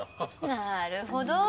なるほど。